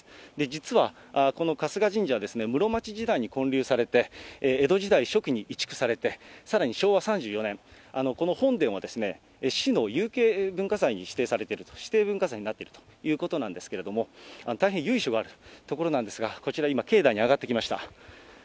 実はこの春日神社は室町時代に建立されて、江戸時代初期に移築されて、さらに昭和３４年、この本殿は、市の有形文化財に指定されている、指定文化財になっているということなんですけれども、大変由緒がある所なんですが、こちら今、境内に上がってきました。